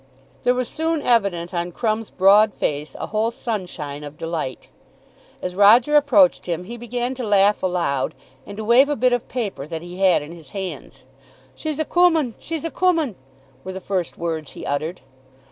There was soon evident on Crumb's broad face a whole sunshine of delight. As Roger approached him he began to laugh aloud, and to wave a bit of paper that he had in his hands. "She's a coomin; she's a coomin," were the first words he uttered.